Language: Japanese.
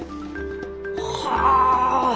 はあ！